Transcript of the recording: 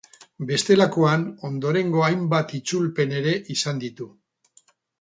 Bestelakoan, ondorengo hainbat itzulpen ere izan ditu.